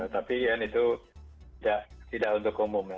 tapi yang itu tidak untuk umum